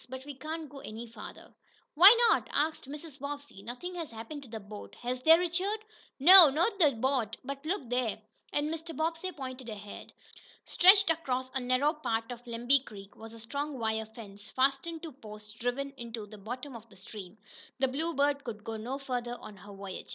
But we can't go any farther." "Why not?" asked Mrs. Bobbsey. "Nothing has happened to the boat, has there, Richard?" "No, not to the boat. But look there!" and Mr. Bobbsey pointed ahead. Stretched across a narrow part of Lemby Creek was a strong wire fence, fastened to posts driven into the bottom of the stream. The Bluebird could go no farther on her voyage.